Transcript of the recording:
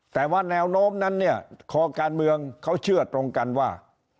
แต่ว่าแนวโน้มนั้นเนี่ยคอการเมืองเขาเชื่อตรงกันว่า